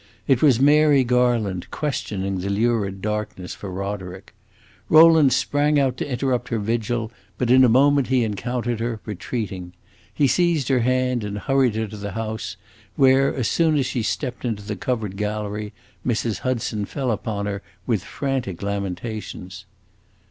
It was Mary Garland, questioning the lurid darkness for Roderick. Rowland sprang out to interrupt her vigil, but in a moment he encountered her, retreating. He seized her hand and hurried her to the house, where, as soon as she stepped into the covered gallery, Mrs. Hudson fell upon her with frantic lamentations.